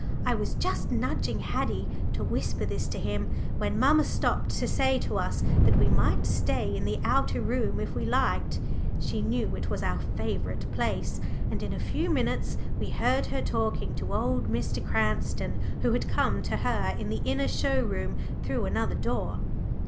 I was just nudging Haddie to whisper this to him when mamma stopped to say to us that we might stay in the outer room if we liked; she knew it was our favourite place, and in a few minutes we heard her talking to old Mr. Cranston, who had come to her in the inner show room through another door.